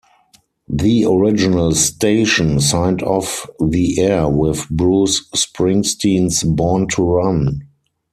The original station signed off the air with Bruce Springsteen's "Born to Run".